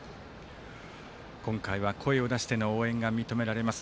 今回は声を出しての応援が認められます。